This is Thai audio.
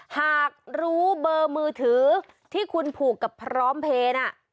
หากรู้เบอร์มือถือที่คุณผูกกับพร้อมเพลย์